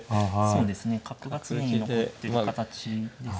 そうですね角が常に残ってる形ですね。